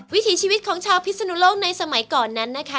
วิถีชีวิตของชาวพิศนุโลกในสมัยก่อนนั้นนะคะ